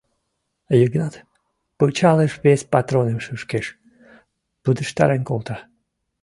— Йыгнат пычалыш вес патроным шӱшкеш, пудештарен колта.